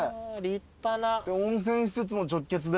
温泉施設も直結で。